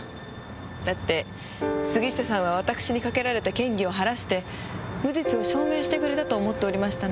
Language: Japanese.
だって杉下さんは私にかけられた嫌疑を晴らして無実を証明してくれたと思っておりましたのに。